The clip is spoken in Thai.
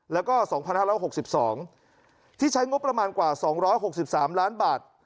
แล้วก็๒๕๖๒ที่ใช้งบประมาณกว่า๒๖๓ล้านบาท